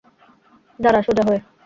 দাঁড়া সোজা হয়ে।